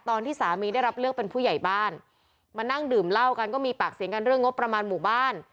ตอนที่สามีได้รับเลือกเป็นผู้ใหญ่บ้านมานั่งดื่มเหล้ากันก็มีปากเสียงกันเรื่องงบประมาณหมู่บ้าน